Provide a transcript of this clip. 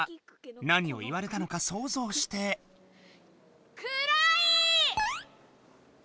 何を言われたのかそうぞうして。くらい！